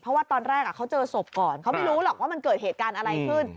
เพราะว่าตอนแรกเขาเจอศพก่อนเขาไม่รู้หรอกว่ามันเกิดเหตุการณ์อะไรขึ้น